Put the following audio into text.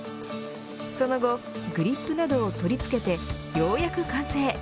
その後グリップなどを取り付けてようやく完成。